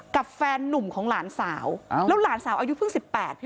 กับแฟนนุ่มของหลานสาวแล้วหลานสาวอายุเพิ่ง๑๘พี่อุ๊ย